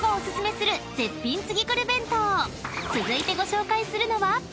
［続いてご紹介するのは？］